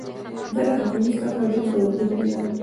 زه له هغوی څخه ډېر توپیر نه لرم